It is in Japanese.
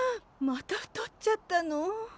また太っちゃったの！？